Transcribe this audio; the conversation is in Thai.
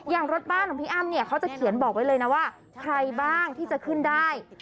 อย่างรถบ้านของพี่อ้ำเนี่ยเค้าจะเขียนว่าใครบ้างที่จะขึ้นได้